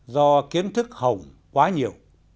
do kiến thức hồng quá nhiều